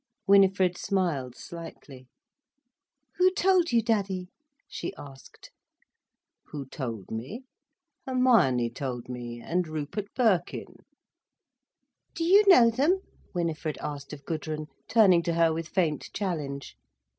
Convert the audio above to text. Winifred smiled slightly. "Who told you, Daddie?" she asked. "Who told me? Hermione told me, and Rupert Birkin." "Do you know them?" Winifred asked of Gudrun, turning to her with faint challenge.